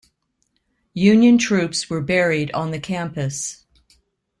Union troops were buried on the campus.